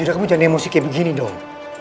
udah kamu jangan emosi kayak begini dong